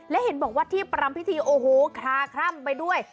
และเห็นบอกว่าที่ประรำพิธีโอ้โหคลาคล่ำไปด้วย